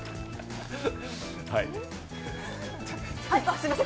すいません。